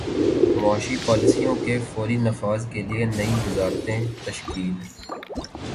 معاشی پالیسیوں کے فوری نفاذ کیلئے نئی وزارتیں تشکیل